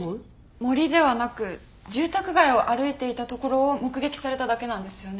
森ではなく住宅街を歩いていたところを目撃されただけなんですよね？